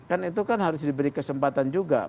kan itu kan harus diberi kesempatan juga